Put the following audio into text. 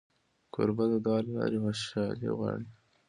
کوربه د دعا له لارې خوشالي غواړي.